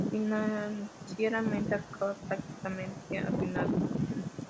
Financieramente, acaba prácticamente arruinado.